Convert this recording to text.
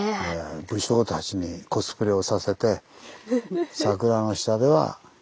武将たちにコスプレをさせて桜の下ではみんな平等だよと。